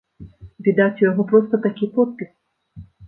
Відаць, у яго проста такі подпіс.